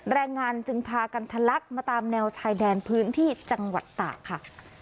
แรงงานจึงพากันทะลักมาตามแนวชายแดนพื้นที่จังหวัดตากค่ะ